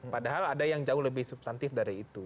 padahal ada yang jauh lebih substantif dari itu